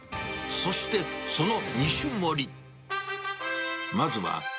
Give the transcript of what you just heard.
そしてその２種盛り。